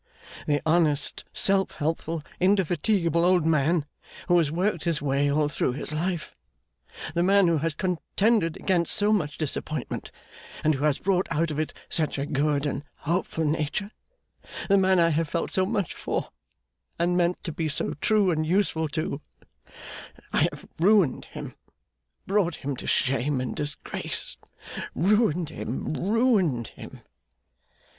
The honest, self helpful, indefatigable old man who has worked his way all through his life; the man who has contended against so much disappointment, and who has brought out of it such a good and hopeful nature; the man I have felt so much for, and meant to be so true and useful to; I have ruined him brought him to shame and disgrace ruined him, ruined him!